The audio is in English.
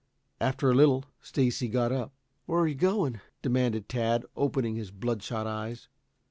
After a little, Stacy got up. "Where you going?" demanded Tad, opening his bloodshot eyes.